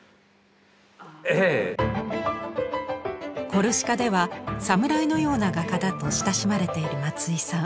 コルシカではサムライのような画家だと親しまれている松井さん。